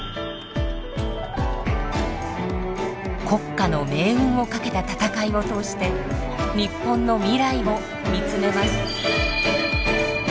国家の命運をかけた闘いを通して日本の未来を見つめます。